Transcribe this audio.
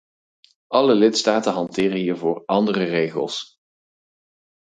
Alle lidstaten hanteren hiervoor andere regels.